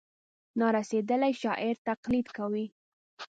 نا رسېدلي شاعر تقلید کوي.